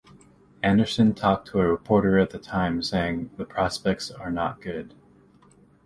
Andersson talked to a reporter at the time saying; The prospects are not good.